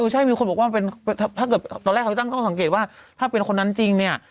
ตอนแรกเขาต้องสังเกตว่าถ้าเป็นคนนั้นจริงเนี่ย